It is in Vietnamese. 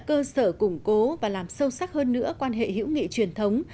cơ sở củng cố và làm sâu sắc hơn nữa quan hệ hữu nghị truyền thống